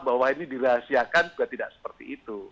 bahwa ini dirahasiakan juga tidak seperti itu